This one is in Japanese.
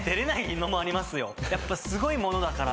やっぱすごいものだから。